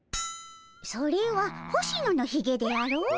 それは星野のひげであろ？